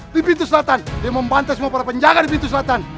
di pintu selatan dia membantah semua para penjaga di pintu selatan